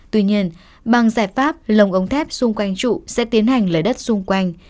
tuy nhiên bằng giải pháp lồng ống thép xung quanh trụ sẽ tiến hành lấy đất xung quanh